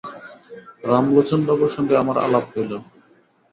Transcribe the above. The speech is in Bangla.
রামলোচনবাবুর সঙ্গে আমার আলাপ হইল।